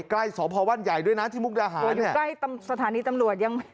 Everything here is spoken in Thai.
ใกล้สอบภวัณฑ์ใหญ่ด้วยนะที่มุกระหาเนี่ยอยู่ใกล้สถานีตำรวจยัง